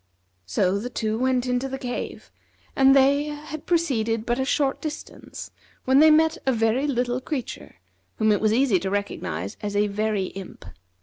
So the two went into the cave, and they had proceeded but a short distance when they met a very little creature, whom it was easy to recognize as a Very Imp.